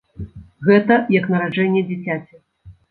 Гэта як нараджэнне дзіцяці!